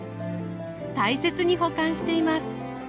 大切に保管しています。